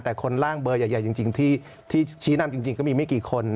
แต่คนล่างเบอร์ใหญ่จริงที่ชี้นำจริงก็มีไม่กี่คน